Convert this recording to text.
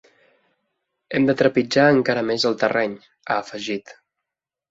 Hem de trepitjar encara més el terreny, ha afegit.